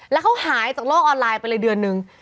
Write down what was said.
แล้วเขาหายจากโลกออนไลน์ไปเลยเดือนนึง